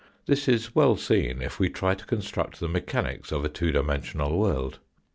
This is well seen if we try to construct the mechanics of a two dimensional world.